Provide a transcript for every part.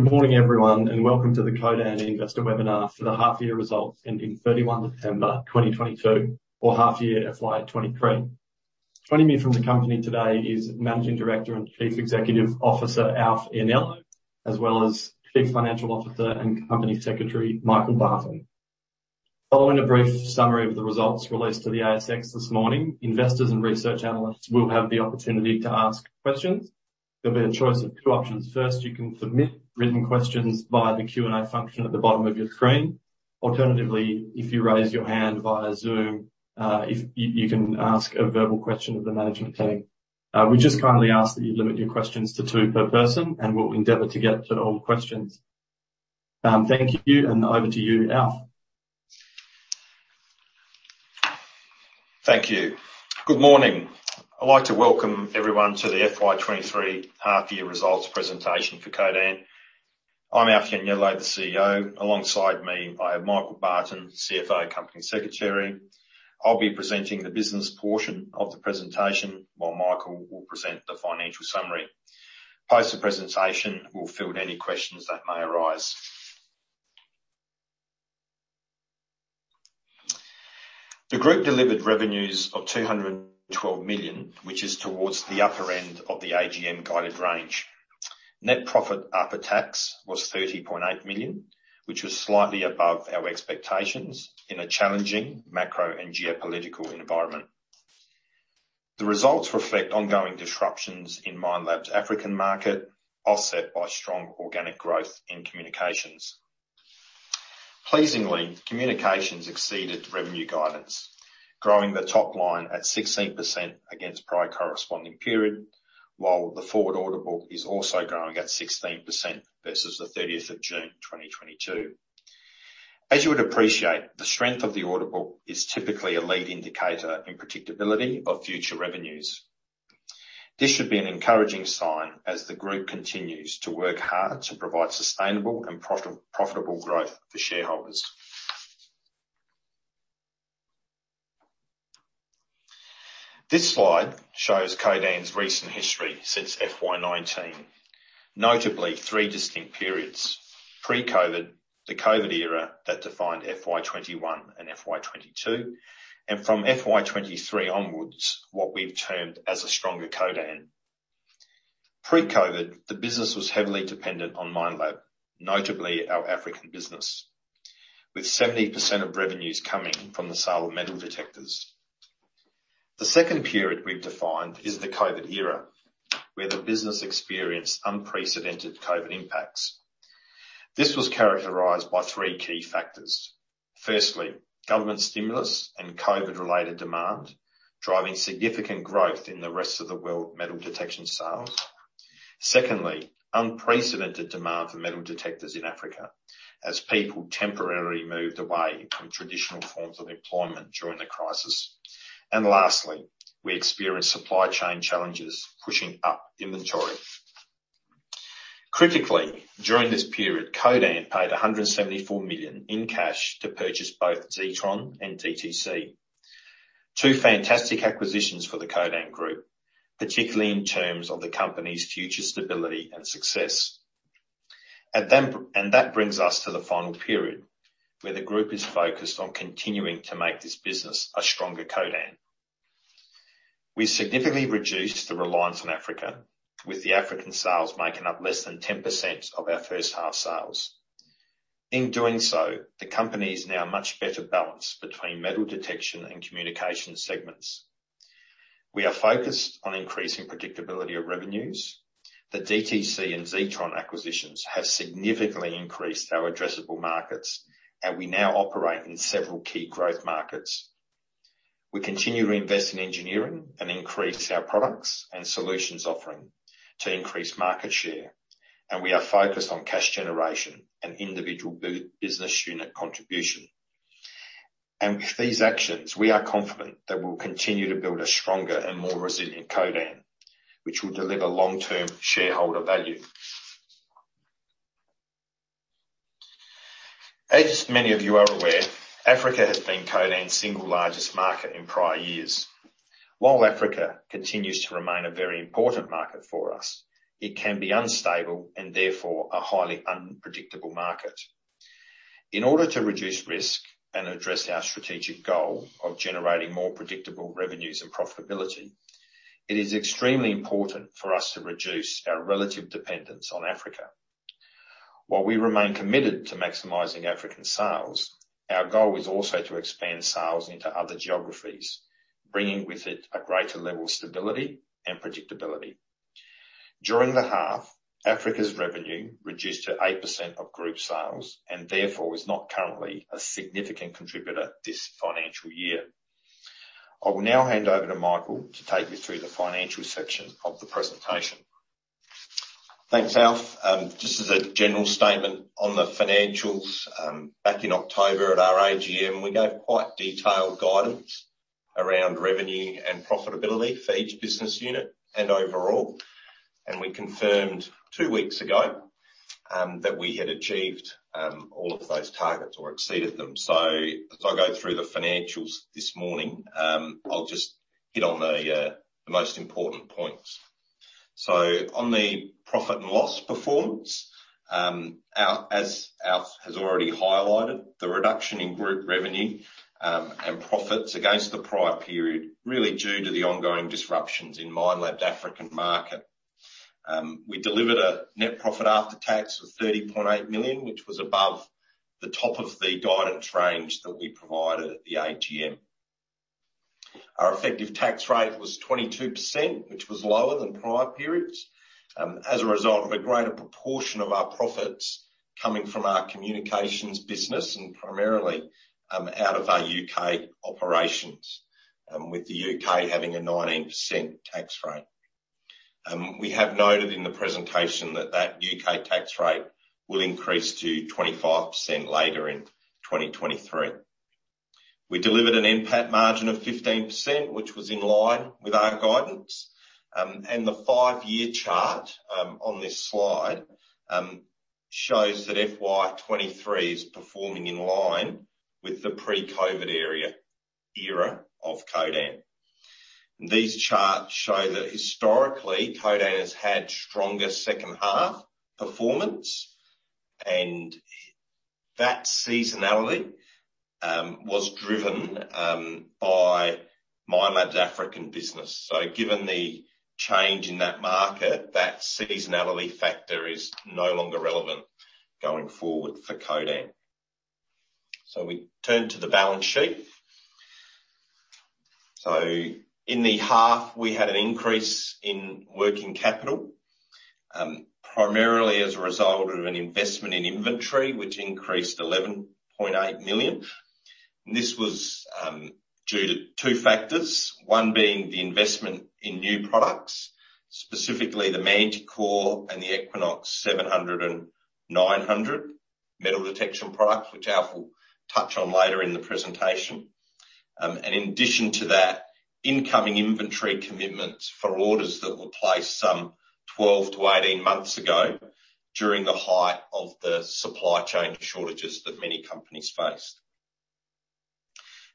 Good morning, everyone, welcome to the Codan Investor Webinar for the half year results ending 31 December 2022, or half year FY 2023. Joining me from the company today is Managing Director and Chief Executive Officer, Alf Ianniello, as well as Chief Financial Officer and Company Secretary, Michael Barton. Following a brief summary of the results released to the ASX this morning, investors and research analysts will have the opportunity to ask questions. There'll be a choice of two options. First, you can submit written questions via the Q&A function at the bottom of your screen. Alternatively, if you raise your hand via Zoom, You can ask a verbal question of the management team. We just kindly ask that you limit your questions to two per person, we'll endeavor to get to all questions. Thank you, over to you, Alf. Thank you. Good morning. I'd like to welcome everyone to the FY 2023 half year results presentation for Codan. I'm Alf Ianniello, the CEO. Alongside me, I have Michael Barton, CFO and Company Secretary. I'll be presenting the business portion of the presentation, while Michael will present the financial summary. Post the presentation, we'll field any questions that may arise. The group delivered revenues of 212 million, which is towards the upper end of the AGM guided range. Net profit after tax was 30.8 million, which was slightly above our expectations in a challenging macro and geopolitical environment. The results reflect ongoing disruptions in Minelab's African market, offset by strong organic growth in communications. Pleasingly, communications exceeded revenue guidance, growing the top line at 16% against prior corresponding period, while the forward order book is also growing at 16% versus the 30th June, 2022. As you would appreciate, the strength of the order book is typically a lead indicator in predictability of future revenues. This should be an encouraging sign as the group continues to work hard to provide sustainable and profitable growth for shareholders. This slide shows Codan's recent history since FY 2019. Notably three distinct periods: pre-COVID, the COVID era that defined FY 2021 and FY 2022, and from FY 2023 onwards, what we've termed as a stronger Codan. Pre-COVID, the business was heavily dependent on Minelab, notably our African business, with 70% of revenues coming from the sale of metal detectors. The second period we've defined is the COVID era, where the business experienced unprecedented COVID impacts. This was characterized by three key factors. Firstly, government stimulus and COVID-related demand, driving significant growth in the rest of the world metal detection sales. Secondly, unprecedented demand for metal detectors in Africa as people temporarily moved away from traditional forms of employment during the crisis. Lastly, we experienced supply chain challenges pushing up inventory. Critically, during this period, Codan paid AUD 174 million in cash to purchase both Zetron and DTC. Two fantastic acquisitions for the Codan group, particularly in terms of the company's future stability and success. That brings us to the final period, where the group is focused on continuing to make this business a stronger Codan. We significantly reduced the reliance on Africa, with the African sales making up less than 10% of our first half sales. In doing so, the company is now much better balanced between metal detection and communication segments. We are focused on increasing predictability of revenues. The DTC and Zetron acquisitions have significantly increased our addressable markets, and we now operate in several key growth markets. We continue to invest in engineering and increase our products and solutions offering to increase market share, and we are focused on cash generation and individual business unit contribution. With these actions, we are confident that we'll continue to build a stronger and more resilient Codan, which will deliver long-term shareholder value. As many of you are aware, Africa has been Codan's single largest market in prior years. While Africa continues to remain a very important market for us, it can be unstable and therefore a highly unpredictable market. In order to reduce risk and address our strategic goal of generating more predictable revenues and profitability, it is extremely important for us to reduce our relative dependence on Africa. While we remain committed to maximizing African sales, our goal is also to expand sales into other geographies, bringing with it a greater level of stability and predictability. During the half, Africa's revenue reduced to 8% of group sales and therefore is not currently a significant contributor this financial year. I will now hand over to Michael to take you through the financial section of the presentation. Thanks, Alf. Just as a general statement on the financials, back in October at our AGM, we gave quite detailed guidance around revenue and profitability for each business unit and overall. We confirmed two weeks ago that we had achieved all of those targets or exceeded them. As I go through the financials this morning, I'll just Hit on the most important points. On the profit and loss performance, as Alf has already highlighted, the reduction in group revenue and profits against the prior period really due to the ongoing disruptions in Minelab's African market. We delivered a net profit after tax of 30.8 million, which was above the top of the guidance range that we provided at the AGM. Our effective tax rate was 22%, which was lower than prior periods, as a result of a greater proportion of our profits coming from our communications business and primarily out of our U.K. operations, with the U.K. having a 19% tax rate. We have noted in the presentation that that U.K. tax rate will increase to 25% later in 2023. We delivered an NPAT margin of 15%, which was in line with our guidance. The five year chart on this slide shows that FY 2023 is performing in line with the pre-COVID era of Codan. These charts show that historically, Codan has had stronger second half performance, and that seasonality was driven by Minelab's African business. Given the change in that market, that seasonality factor is no longer relevant going forward for Codan. We turn to the balance sheet. In the half, we had an increase in working capital, primarily as a result of an investment in inventory, which increased 11.8 million. This was due to two factors, one being the investment in new products, specifically the MANTICORE and the EQUINOX 700 and 900 metal detection products, which Alf will touch on later in the presentation. In addition to that, incoming inventory commitments for orders that were placed some 12-18 months ago during the height of the supply chain shortages that many companies faced.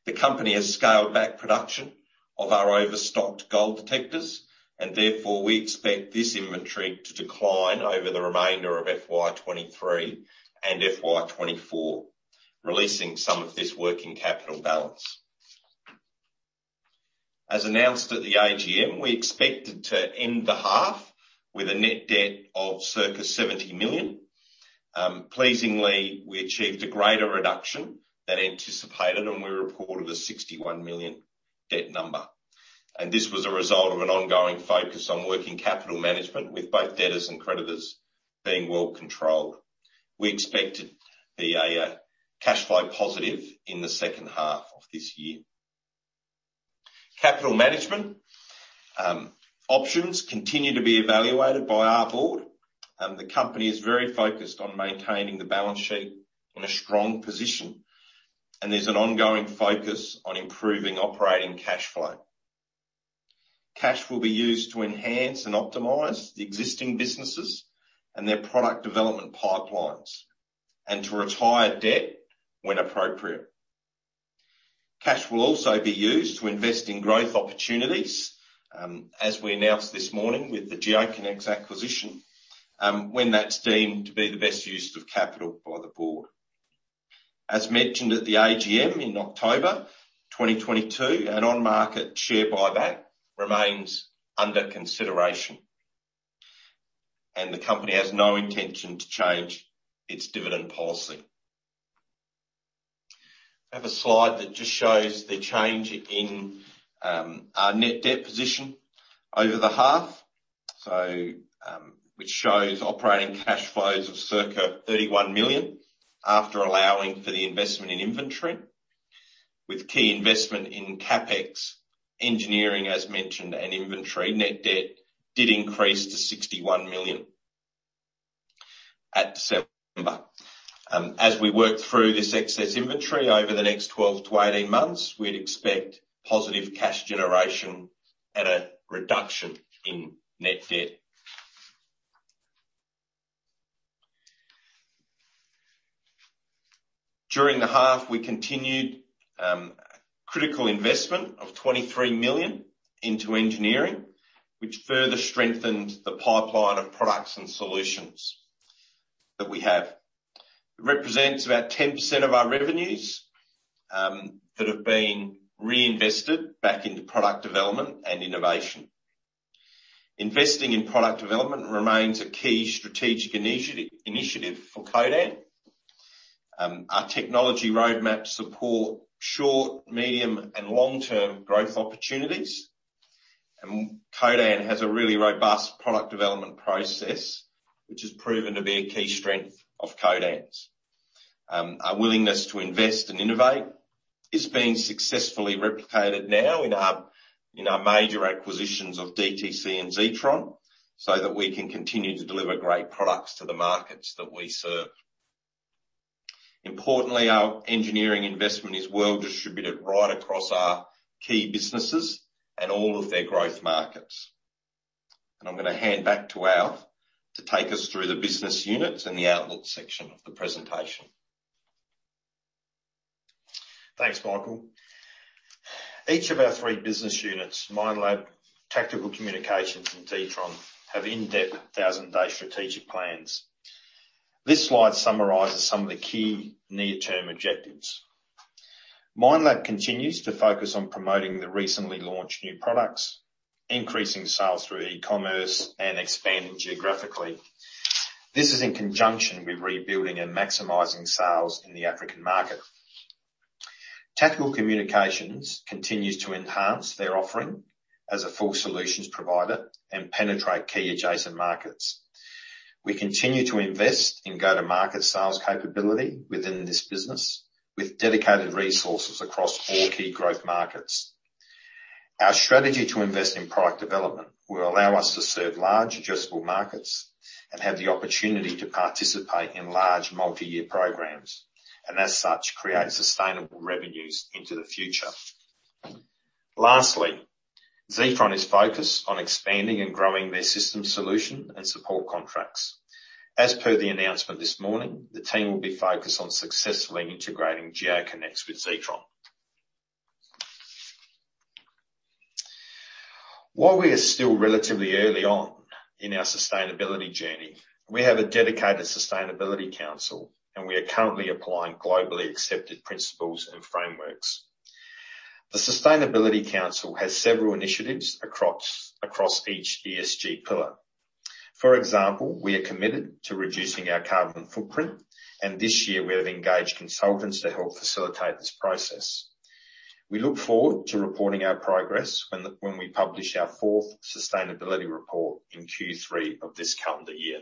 The company has scaled back production of our overstocked gold detectors, and therefore we expect this inventory to decline over the remainder of FY 2023 and FY 2024, releasing some of this working capital balance. As announced at the AGM, we expected to end the half with a net debt of circa 70 million. Pleasantly, we achieved a greater reduction than anticipated, and we reported a 61 million debt number. This was a result of an ongoing focus on working capital management, with both debtors and creditors being well controlled. We expect to be a cash flow positive in the second half of this year. Capital management. Options continue to be evaluated by our board. The company is very focused on maintaining the balance sheet in a strong position. There's an ongoing focus on improving operating cash flow. Cash will be used to enhance and optimize the existing businesses and their product development pipelines and to retire debt when appropriate. Cash will also be used to invest in growth opportunities, as we announced this morning with the GeoConex acquisition, when that's deemed to be the best use of capital by the board. As mentioned at the AGM in October 2022, an on-market share buyback remains under consideration, and the company has no intention to change its dividend policy. I have a slide that just shows the change in our net debt position over the half. Which shows operating cash flows of circa 31 million after allowing for the investment in inventory. With key investment in CapEx engineering, as mentioned, and inventory, net debt did increase to 61 million at December. As we work through this excess inventory over the next 12 months-18 months, we'd expect positive cash generation at a reduction in net debt. During the half, we continued critical investment of 23 million into engineering, which further strengthened the pipeline of products and solutions that we have. It represents about 10% of our revenues that have been reinvested back into product development and innovation. Investing in product development remains a key strategic initiative for Codan. Our technology roadmaps support short, medium, and long-term growth opportunities. Codan has a really robust product development process, which has proven to be a key strength of Codan's. Our willingness to invest and innovate is being successfully replicated now in our, in our major acquisitions of DTC and Zetron, so that we can continue to deliver great products to the markets that we serve. Importantly, our engineering investment is well distributed right across our key businesses and all of their growth markets. I'm gonna hand back to Alf to take us through the business units and the outlook section of the presentation. Thanks, Michael. Each of our three business units, Minelab, Tactical Communications, and Zetron, have in-depth thousand-day strategic plans. This slide summarizes some of the key near-term objectives. Minelab continues to focus on promoting the recently launched new products, increasing sales through e-commerce, and expanding geographically. This is in conjunction with rebuilding and maximizing sales in the African market. Tactical Communications continues to enhance their offering as a full solutions provider and penetrate key adjacent markets. We continue to invest in go-to-market sales capability within this business with dedicated resources across all key growth markets. Our strategy to invest in product development will allow us to serve large addressable markets and have the opportunity to participate in large multi-year programs, as such, create sustainable revenues into the future. Lastly, Zetron is focused on expanding and growing their system solution and support contracts. As per the announcement this morning, the team will be focused on successfully integrating GeoConex with Zetron. While we are still relatively early on in our sustainability journey, we have a dedicated sustainability council, and we are currently applying globally accepted principles and frameworks. The sustainability council has several initiatives across each ESG pillar. For example, we are committed to reducing our carbon footprint, and this year we have engaged consultants to help facilitate this process. We look forward to reporting our progress when we publish our fourth sustainability report in Q3 of this calendar year.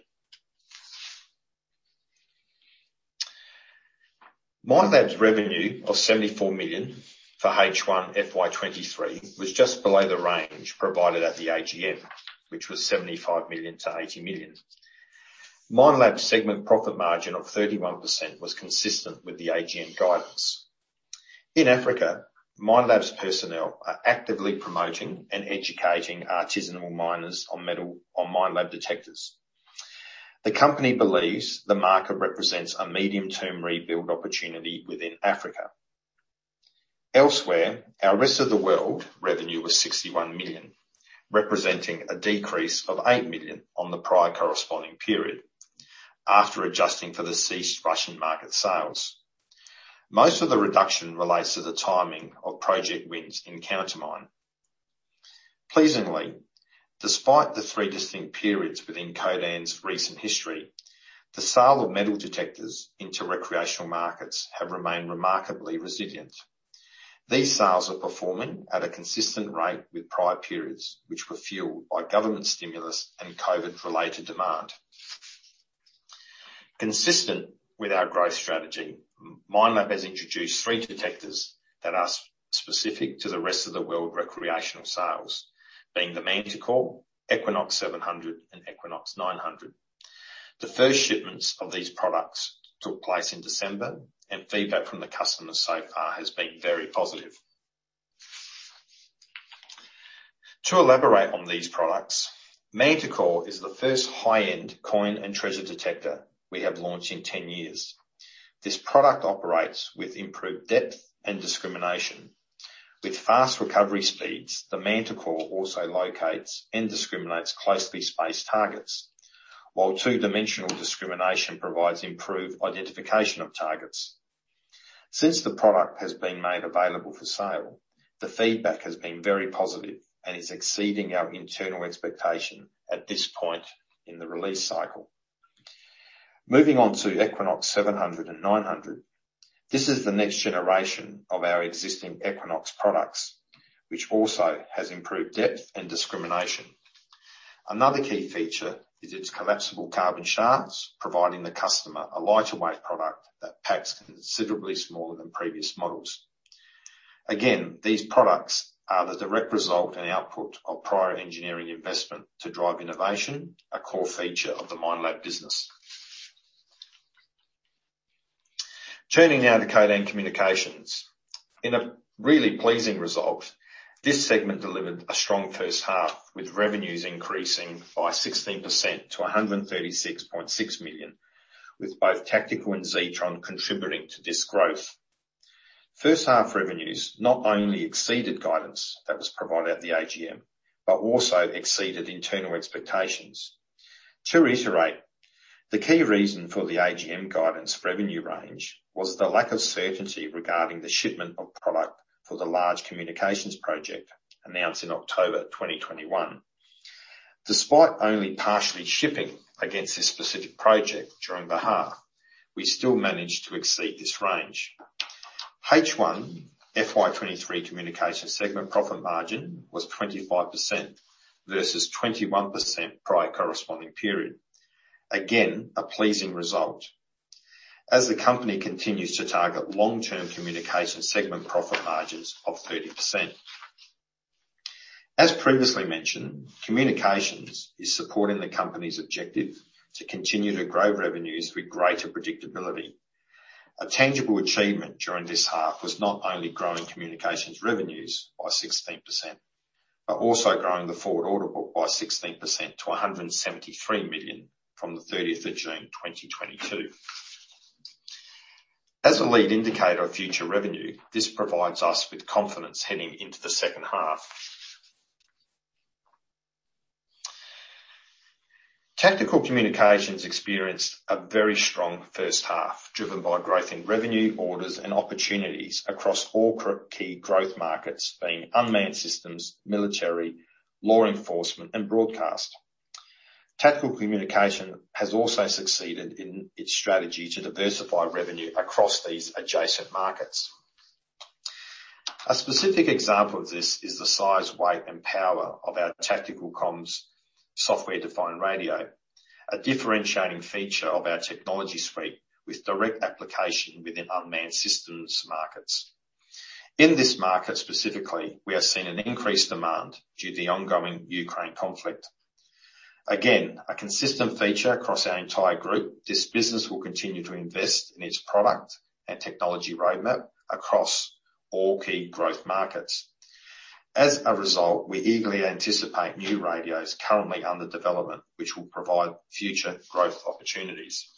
Minelab's revenue of 74 million for H1 FY 2023 was just below the range provided at the AGM, which was 75 million-80 million. Minelab's segment profit margin of 31% was consistent with the AGM guidance. In Africa, Minelab's personnel are actively promoting and educating artisanal miners on Minelab detectors. The company believes the market represents a medium-term rebuild opportunity within Africa. Elsewhere, our rest of the world revenue was 61 million, representing a decrease of 8 million on the prior corresponding period after adjusting for the ceased Russian market sales. Most of the reduction relates to the timing of project wins in Countermine. Pleasingly, despite the three distinct periods within Codan's recent history, the sale of metal detectors into recreational markets have remained remarkably resilient. These sales are performing at a consistent rate with prior periods, which were fueled by government stimulus and COVID-related demand. Consistent with our growth strategy, Minelab has introduced three detectors that are specific to the rest of the world recreational sales being the MANTICORE, EQUINOX 700, and EQUINOX 900. The first shipments of these products took place in December, feedback from the customers so far has been very positive. To elaborate on these products, MANTICORE is the first high-end coin and treasure detector we have launched in 10 years. This product operates with improved depth and discrimination. With fast recovery speeds, the MANTICORE also locates and discriminates closely spaced targets. While two-dimensional discrimination provides improved identification of targets. Since the product has been made available for sale, the feedback has been very positive and is exceeding our internal expectation at this point in the release cycle. Moving on to EQUINOX 700 and 900. This is the next generation of our existing Equinox products, which also has improved depth and discrimination. Another key feature is its collapsible carbon shafts, providing the customer a lighter weight product that packs considerably smaller than previous models. Again, these products are the direct result and output of prior engineering investment to drive innovation, a core feature of the Minelab business. Turning now to Codan Communications. In a really pleasing result, this segment delivered a strong first half, with revenues increasing by 16% to 136.6 million, with both Tactical and Zetron contributing to this growth. First half revenues not only exceeded guidance that was provided at the AGM, but also exceeded internal expectations. To reiterate, the key reason for the AGM guidance revenue range was the lack of certainty regarding the shipment of product for the large communications project announced in October 2021. Despite only partially shipping against this specific project during the half, we still managed to exceed this range. H1 FY 2023 communications segment profit margin was 25% versus 21% prior corresponding period. A pleasing result as the company continues to target long-term communication segment profit margins of 30%. As previously mentioned, communications is supporting the company's objective to continue to grow revenues with greater predictability. A tangible achievement during this half was not only growing communications revenues by 16% But also growing the forward order book by 16% to 173 million from the 30th June, 2022. As a lead indicator of future revenue, this provides us with confidence heading into the second half. Tactical Communications experienced a very strong first half, driven by growth in revenue, orders and opportunities across all key growth markets being unmanned systems, military, law enforcement and broadcast. Tactical Communications has also succeeded in its strategy to diversify revenue across these adjacent markets. A specific example of this is the size, weight and power of our Tactical Comms software-defined radio. A differentiating feature of our technology suite with direct application within unmanned systems markets. In this market specifically, we have seen an increased demand due to the ongoing Ukraine conflict. Again, a consistent feature across our entire group. This business will continue to invest in its product and technology roadmap across all key growth markets. As a result, we eagerly anticipate new radios currently under development, which will provide future growth opportunities.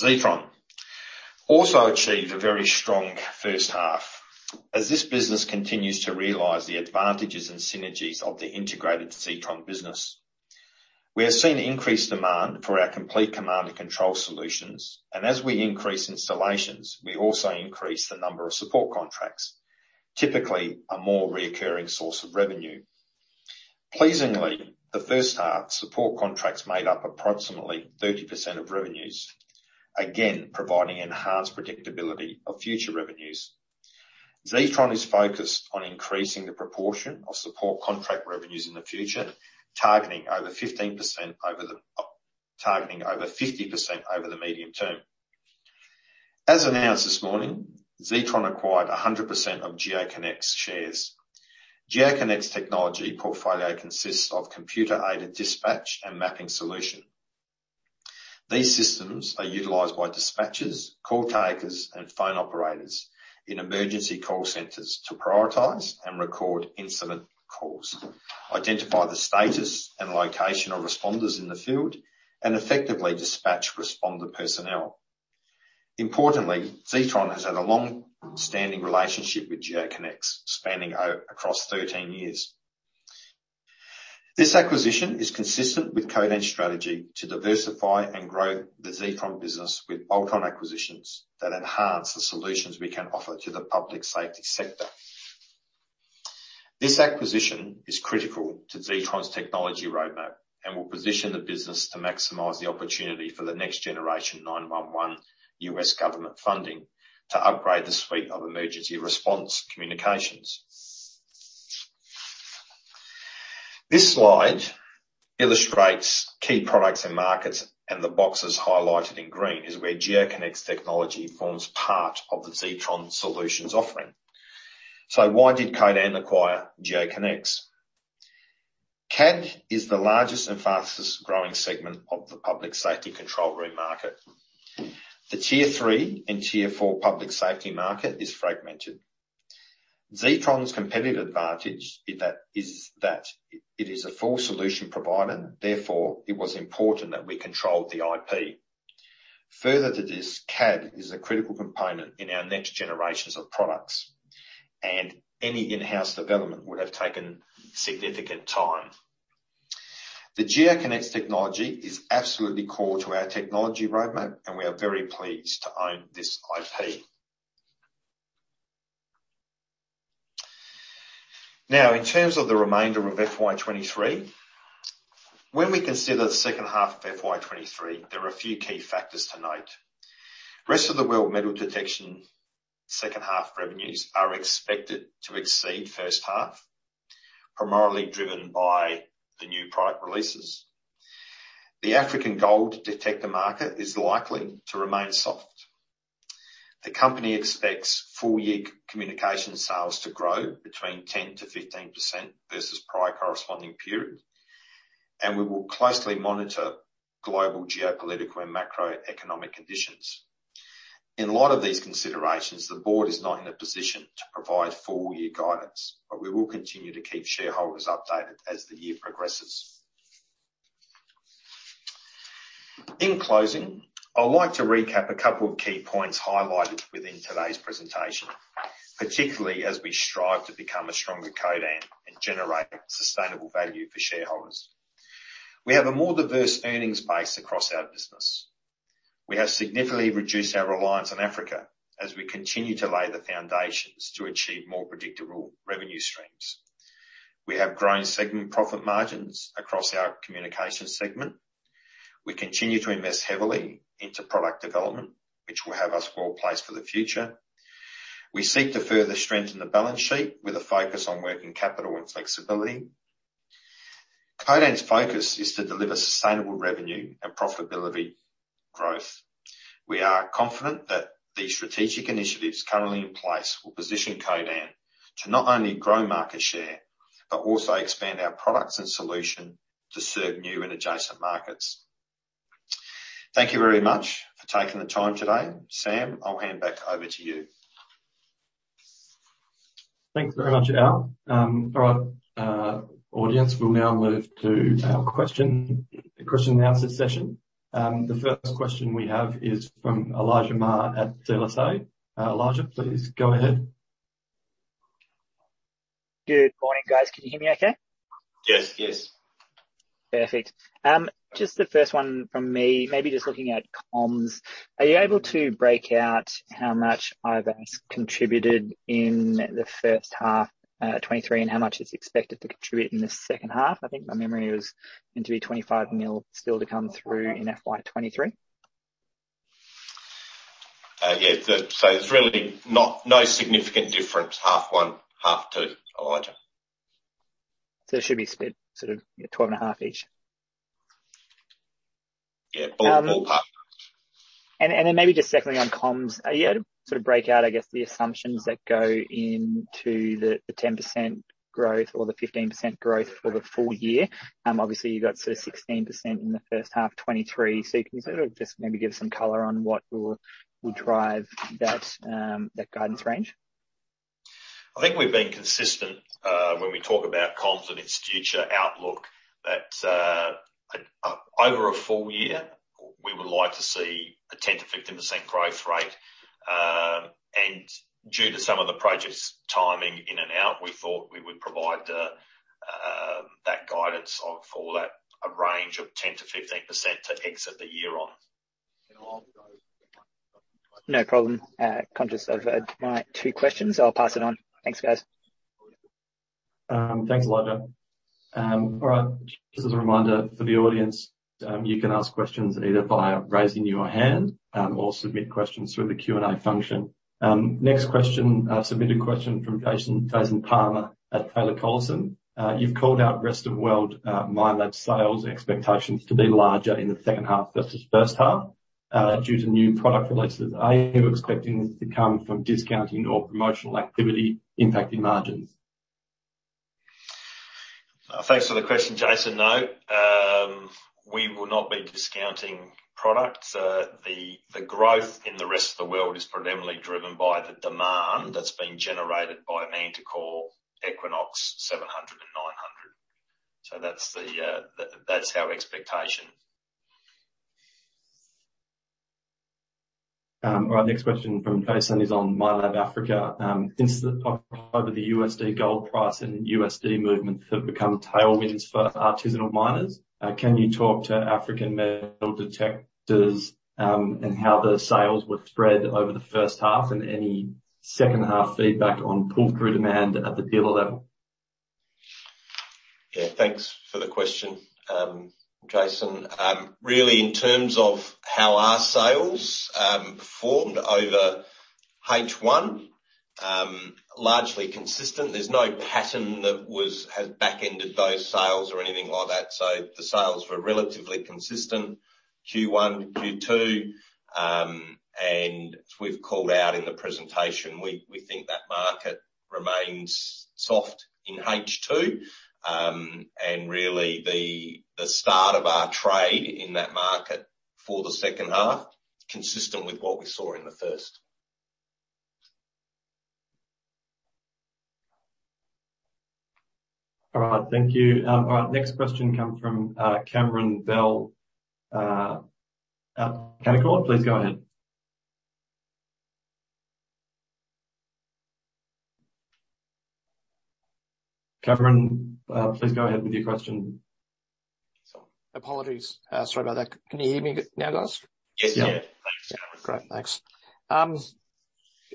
Zetron also achieved a very strong first half as this business continues to realize the advantages and synergies of the integrated Zetron business. We have seen increased demand for our complete command and control solutions, and as we increase installations, we also increase the number of support contracts, typically a more reoccurring source of revenue. Pleasingly, the first half support contracts made up approximately 30% of revenues, again, providing enhanced predictability of future revenues. Zetron is focused on increasing the proportion of support contract revenues in the future, targeting over 50% over the medium term. As announced this morning, Zetron acquired 100% of GeoConex shares. GeoConex technology portfolio consists of computer-aided dispatch and mapping solution. These systems are utilized by dispatchers, call takers and phone operators in emergency call centers to prioritize and record incident calls, identify the status and location of responders in the field, and effectively dispatch responder personnel. Importantly, Zetron has had a long standing relationship with GeoConex, spanning across 13 years. This acquisition is consistent with Codan's strategy to diversify and grow the Zetron business with bolt-on acquisitions that enhance the solutions we can offer to the public safety sector. This acquisition is critical to Zetron's technology roadmap and will position the business to maximize the opportunity for the next generation 911 U.S. government funding to upgrade the suite of emergency response communications. This slide illustrates key products and markets, and the boxes highlighted in green is where GeoConex technology forms part of the Zetron solutions offering. Why did Codan acquire GeoConex? CAD is the largest and fastest growing segment of the public safety control room market. The tier three and tier four public safety market is fragmented. Zetron's competitive advantage is that it is a full solution provider. Therefore, it was important that we controlled the IP. Further to this, CAD is a critical component in our next generations of products, and any in-house development would have taken significant time. The GeoConex technology is absolutely core to our technology roadmap, and we are very pleased to own this IP. In terms of the remainder of FY 2023, when we consider the second half of FY 2023, there are a few key factors to note. Rest of the world metal detection second half revenues are expected to exceed first half, primarily driven by the new product releases. The African gold detector market is likely to remain soft. The company expects full year communications sales to grow between 10%-15% versus prior corresponding period. We will closely monitor global geopolitical and macroeconomic conditions. In light of these considerations, the board is not in a position to provide full year guidance, but we will continue to keep shareholders updated as the year progresses. In closing, I'd like to recap a couple of key points highlighted within today's presentation, particularly as we strive to become a stronger Codan and generate sustainable value for shareholders. We have a more diverse earnings base across our business. We have significantly reduced our reliance on Africa as we continue to lay the foundations to achieve more predictable revenue streams. We have grown segment profit margins across our communications segment. We continue to invest heavily into product development, which will have us well placed for the future. We seek to further strengthen the balance sheet with a focus on working capital and flexibility. Codan's focus is to deliver sustainable revenue and profitability growth. We are confident that these strategic initiatives currently in place will position Codan to not only grow market share, but also expand our products and solution to serve new and adjacent markets. Thank you very much for taking the time today. Sam, I'll hand back over to you. Thanks very much, Alf. All right, audience, we'll now move to our question and answer session. The first question we have is from Elijah Mayr at De La Salle. Elijah, please go ahead. Good morning, guys. Can you hear me okay? Yes. Yes. Perfect. Just the first one from me, maybe just looking at comms. Are you able to break out how much over has contributed in the first half, 2023, and how much it's expected to contribute in the second half? I think my memory was going to be 25 million still to come through in FY 2023. Yeah, there's really no significant difference half one, half two, Elijah. It should be split, sort of yeah, 12.5 each. Yeah. Ball park. Maybe just secondly on comms. Are you able to sort of break out, I guess, the assumptions that go into the 10% growth or the 15% growth for the full year? Obviously you got sort of 16% in the first half 2023. Can you sort of just maybe give some color on what will drive that guidance range? I think we've been consistent, when we talk about comms and its future outlook, that over a full year, we would like to see a 10%-15% growth rate. Due to some of the projects timing in and out, we thought we would provide that guidance for that range of 10%-15% to exit the year on. No problem. Conscious I've had my two questions. I'll pass it on. Thanks, guys. Thanks, Elijah. All right. Just as a reminder for the audience, you can ask questions either via raising your hand or submit questions through the Q&A function. Next question, submitted question from Jason Palmer at Taylor Collison. You've called out rest of world, Minelab sales expectations to be larger in the second half versus first half, due to new product releases. Are you expecting this to come from discounting or promotional activity impacting margins? Thanks for the question, Jason. No, we will not be discounting products. The growth in the rest of the world is predominantly driven by the demand that's been generated by MANTICORE, EQUINOX 700 and 900. That's our expectation. All right. Next question from Jason is on Minelab Africa. Since the top over the USD gold price and USD movements have become tailwinds for artisanal miners, can you talk to African metal detectors, and how the sales were spread over the first half and any second half feedback on pull-through demand at the dealer level? Yeah. Thanks for the question, Jason. Really, in terms of how our sales performed over H1, largely consistent. There's no pattern that has backended those sales or anything like that. The sales were relatively consistent Q1-Q2. As we've called out in the presentation, we think that market remains soft in H2. Really the start of our trade in that market for the second half, consistent with what we saw in the first. All right. Thank you. All right, next question come from, Cameron Bell at Canaccord. Please go ahead. Cameron, please go ahead with your question. Apologies. Sorry about that. Can you hear me now, guys? Yes. Yeah. Great. Thanks.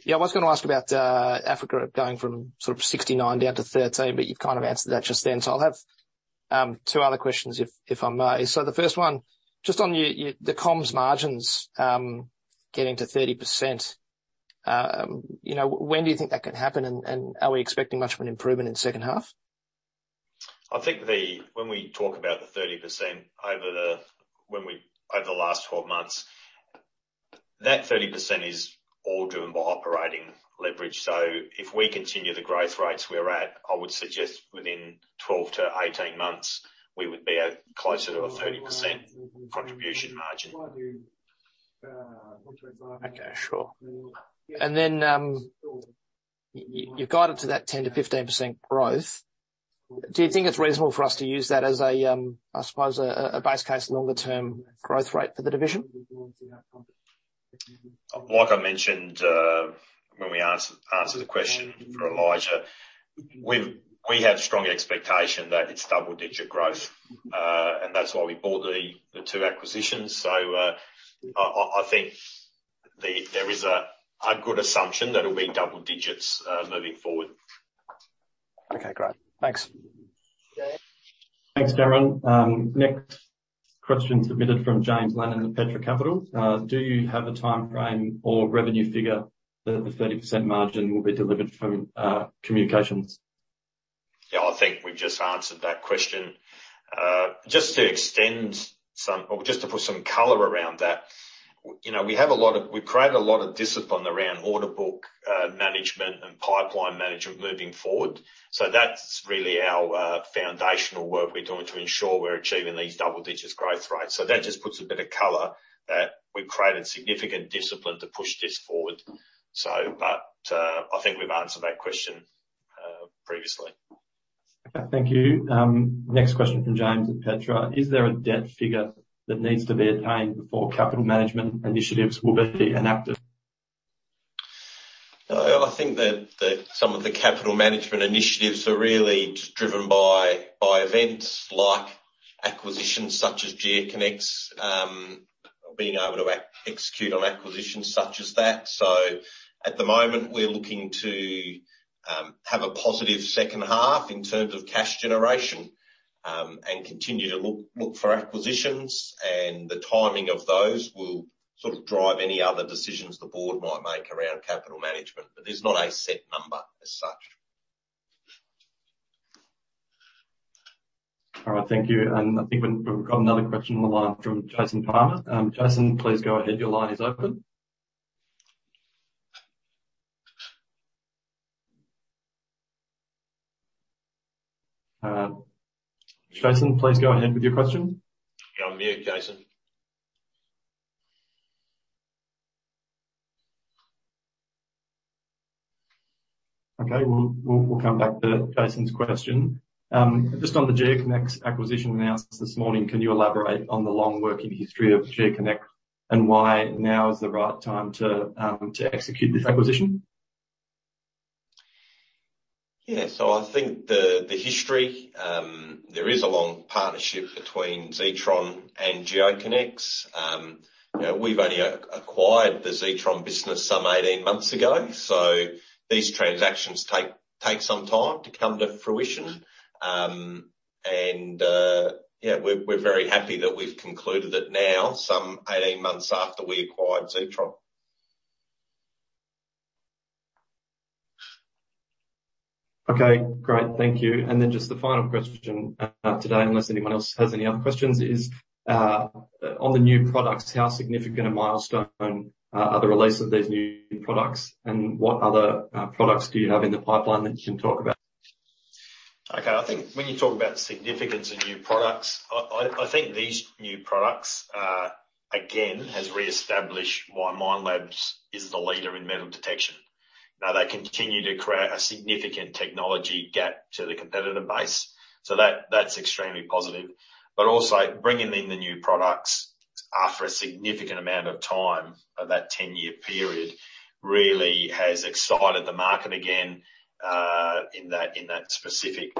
Yeah, I was gonna ask about Africa going from sort of 69 down to 13, but you've kind of answered that just then. I'll have two other questions if I may. The first one, just on your the comms margins, getting to 30%, you know, when do you think that can happen? Are we expecting much of an improvement in second half? I think when we talk about the 30% over the last 12 months, that 30% is all driven by operating leverage. If we continue the growth rates we're at, I would suggest within 12 months-18 months, we would be at closer to a 30% contribution margin. Okay, sure. You guided to that 10%-15% growth. Do you think it's reasonable for us to use that as a, I suppose, a base case, longer term growth rate for the division? Like I mentioned, when we answered the question for Elijah, we have strong expectation that it's double digit growth, and that's why we bought the two acquisitions. I think there is a good assumption that it'll be double digits moving forward. Okay, great. Thanks. Thanks, Cameron. Next question submitted from James Lennon at Petra Capital. Do you have a timeframe or revenue figure that the 30% margin will be delivered from, communications? I think we just answered that question. Just to put some color around that. You know, we've created a lot of discipline around order book, management and pipeline management moving forward. That's really our foundational work we're doing to ensure we're achieving these double-digit growth rates. That just puts a bit of color that we've created significant discipline to push this forward. I think we've answered that question previously. Okay. Thank you. Next question from James at Petra. Is there a debt figure that needs to be attained before capital management initiatives will be enacted? I think that some of the capital management initiatives are really driven by events like acquisitions such as GeoConex, being able to execute on acquisitions such as that. At the moment, we're looking to have a positive second half in terms of cash generation, and continue to look for acquisitions. The timing of those will sort of drive any other decisions the board might make around capital management. There's not a set number as such. All right. Thank you. I think we've got another question on the line from Jason Palmer. Jason, please go ahead. Your line is open. Jason, please go ahead with your question. You're on mute, Jason. Okay, we'll come back to Jason's question. Just on the GeoConex acquisition announced this morning, can you elaborate on the long working history of GeoConex and why now is the right time to execute this acquisition? Yeah. I think the history, there is a long partnership between Zetron and GeoConex. You know, we've only acquired the Zetron business some 18 months ago. These transactions take some time to come to fruition. And, yeah, we're very happy that we've concluded it now some 18 months after we acquired Zetron. Okay, great. Thank you. Just the final question today, unless anyone else has any other questions, is on the new products, how significant a milestone are the release of these new products, and what other products do you have in the pipeline that you can talk about? Okay. I think when you talk about significance and new products, I think these new products again has reestablished why Minelab is the leader in metal detection. They continue to create a significant technology gap to the competitor base, so that's extremely positive. Bringing in the new products after a significant amount of time of that 10-year period really has excited the market again in that in that specific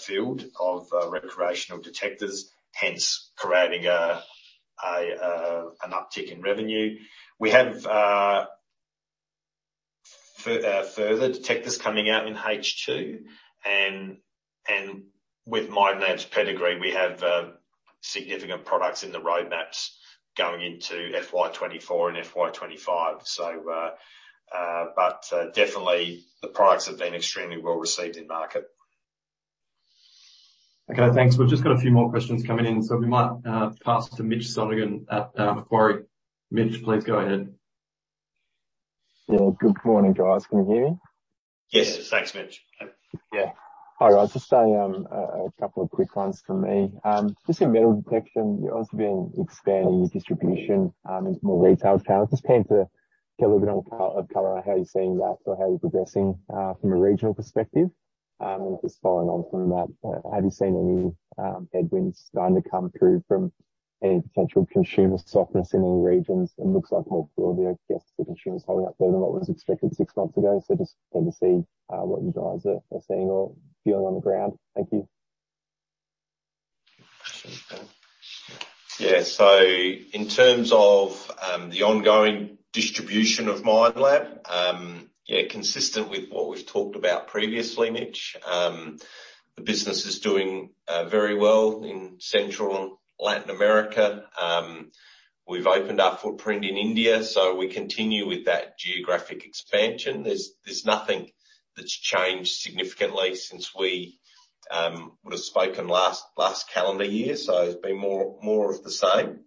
field of recreational detectors, hence creating an uptick in revenue. We have further detectors coming out in H2 and with Minelab's pedigree, we have significant products in the roadmaps going into FY 2024 and FY 2025. Definitely the products have been extremely well received in market. Okay, thanks. We've just got a few more questions coming in. We might pass to Mitchell Sonogan at Macquarie. Mitch, please go ahead. Yeah. Good morning, guys. Can you hear me? Yes. Thanks, Mitch. Yeah. All right. Just a couple of quick ones from me. Just in metal detection, you've also been expanding your distribution into more retail channels. Just keen to get a little bit of color on how you're seeing that or how you're progressing from a regional perspective. Just following on from that, have you seen any headwinds starting to come through from any potential consumer softness in any regions? It looks like hopefully, I guess, the consumer is holding up better than what was expected six months ago. Just keen to see what you guys are seeing or feeling on the ground. Thank you. In terms of the ongoing distribution of Minelab, consistent with what we've talked about previously, Mitch, the business is doing very well in Central and Latin America. We've opened our footprint in India, so we continue with that geographic expansion. There's nothing that's changed significantly since we would have spoken last calendar year. It's been more of the same.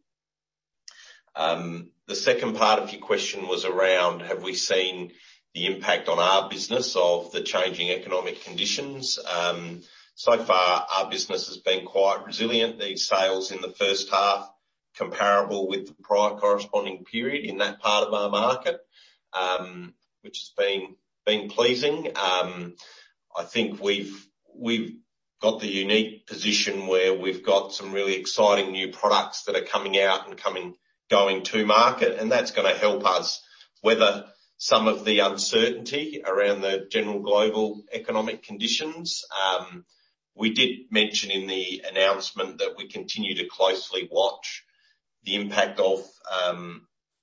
The second part of your question was around have we seen the impact on our business of the changing economic conditions? So far our business has been quite resilient. The sales in the first half comparable with the prior corresponding period in that part of our market, which has been pleasing. I think we've got the unique position where we've got some really exciting new products that are coming out and going to market, and that's gonna help us weather some of the uncertainty around the general global economic conditions. We did mention in the announcement that we continue to closely watch the impact of,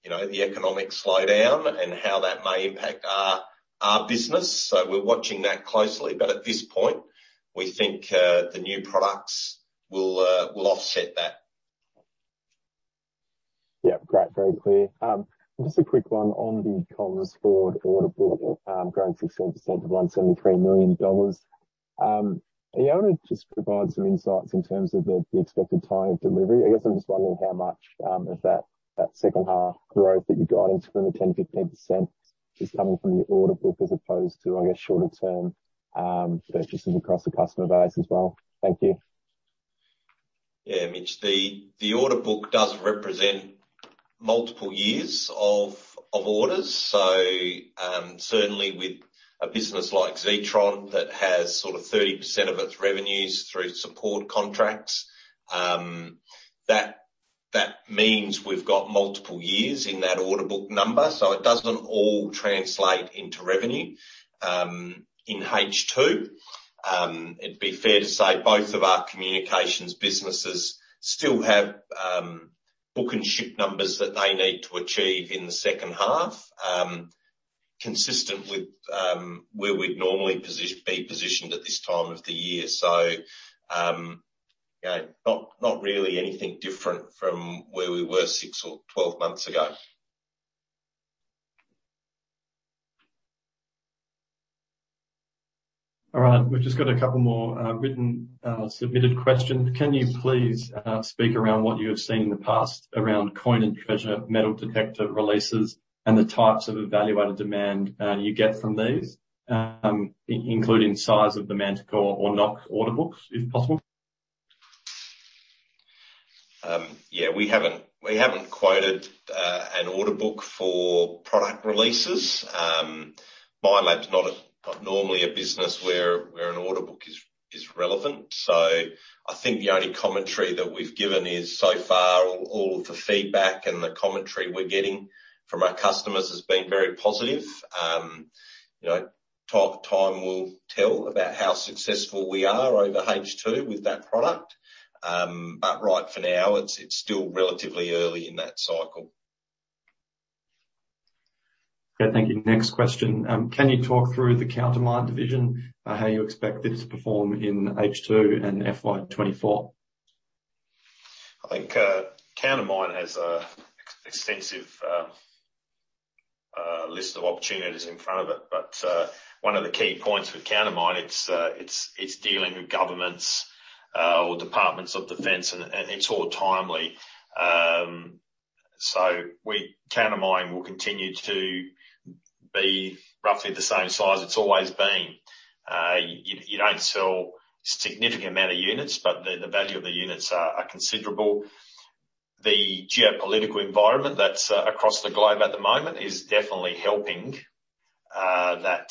you know, the economic slowdown and how that may impact our business. We're watching that closely. At this point, we think the new products will offset that. Yeah. Great. Very clear. Just a quick one on the comms forward order book, growing 16% to AUD 173 million. Are you able to just provide some insights in terms of the expected time of delivery? I guess I'm just wondering how much of that second half growth that you got into in the 10%-15% is coming from the order book as opposed to, I guess, shorter term purchases across the customer base as well. Thank you. Yeah, Mitch. The order book does represent multiple years of orders. Certainly with a business like Zetron that has sort of 30% of its revenues through support contracts, that means we've got multiple years in that order book number, so it doesn't all translate into revenue in H2. It'd be fair to say both of our communications businesses still have book and ship numbers that they need to achieve in the second half, consistent with where we'd normally be positioned at this time of the year. You know, not really anything different from where we were 6 or 12 months ago. All right. We've just got a couple more written submitted questions. Can you please speak around what you have seen in the past around coin and treasure metal detector releases and the types of evaluated demand you get from these? Including size of the MANTICORE or NOKTA order books, if possible. Yeah. We haven't quoted an order book for product releases. Minelab's not normally a business where an order book is relevant. I think the only commentary that we've given is, so far, all of the feedback and the commentary we're getting from our customers has been very positive. You know, time will tell about how successful we are over H2 with that product. Right for now, it's still relatively early in that cycle. Okay. Thank you. Next question. Can you talk through the Countermine division, how you expect it to perform in H2 and FY 2024? I think Countermine has a extensive list of opportunities in front of it. One of the key points with Countermine, it's dealing with governments or departments of defense and it's all timely. Countermine will continue to be roughly the same size it's always been. You don't sell significant amount of units, but the value of the units are considerable. The geopolitical environment that's across the globe at the moment is definitely helping that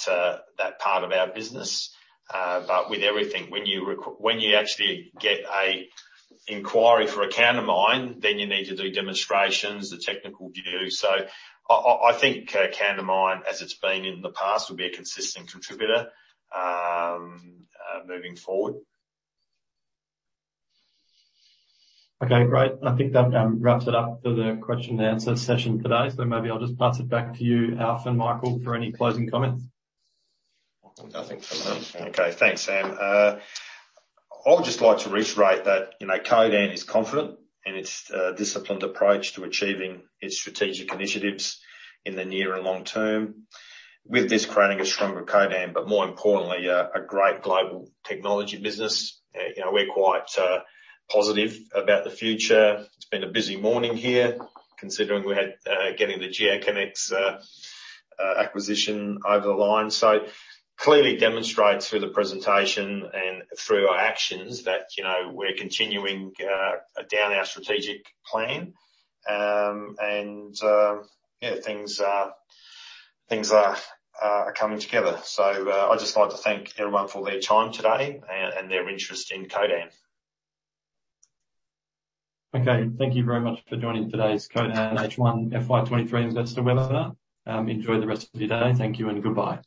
part of our business. With everything, when you actually get a inquiry for a Countermine, then you need to do demonstrations, the technical due. I think Countermine, as it's been in the past, will be a consistent contributor moving forward. Okay, great. I think that, wraps it up for the question and answer session today. Maybe I'll just pass it back to you, Alf and Michael, for any closing comments. Nothing from me. Okay, thanks, Sam. I would just like to reiterate that, you know, Codan is confident in its disciplined approach to achieving its strategic initiatives in the near and long term. With this, creating a stronger Codan, but more importantly, a great global technology business. You know, we're quite positive about the future. It's been a busy morning here, considering we had getting the GeoConex acquisition over the line. Clearly demonstrates through the presentation and through our actions that, you know, we're continuing down our strategic plan. And yeah, things are coming together. I'd just like to thank everyone for their time today and their interest in Codan. Okay. Thank you very much for joining today's Codan H1 FY 2023 Investor Webinar. Enjoy the rest of your day. Thank you and goodbye.